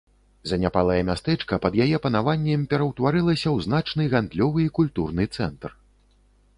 Заняпалае мястэчка пад яе панаваннем пераўтварылася ў значны гандлёвы і культурны цэнтр.